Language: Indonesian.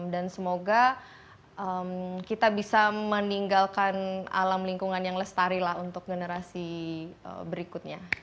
dan semoga kita bisa meninggalkan alam lingkungan yang lestari untuk generasi berikutnya